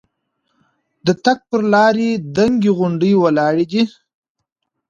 د تګ پر لارې دنګې غونډۍ ولاړې دي.